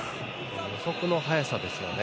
捕捉の速さですよね。